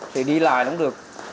thì đi lại cũng được